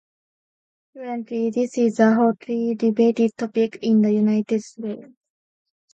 Currently, this is a hotly debated topic in the United States.